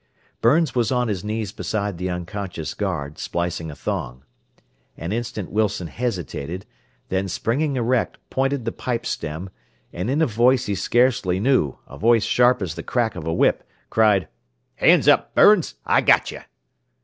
Burns was on his knees beside the unconscious guard, splicing a thong. An instant Wilson hesitated, then springing erect, pointed the pipe stem, and in a voice he scarcely knew, a voice sharp as the crack of a whip, cried: "Hands up, Burns! I got you!